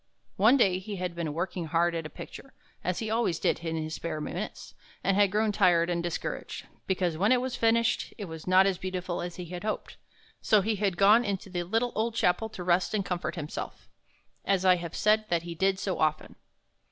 One day he had been working hard at a picture, as he always did in his spare minutes, and had grown tired and discouraged, because when it was finished it was not as beautiful as he had hoped. So he had gone into the little old chapel to rest and comfort himself, as I have said that he did so often.